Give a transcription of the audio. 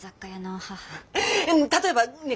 例えばねえ